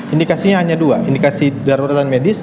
indikasinya hanya dua indikasi darurat dan medis